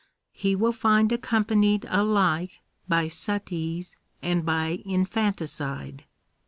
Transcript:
179 he will find accompanied alike by suttees and by infanticide.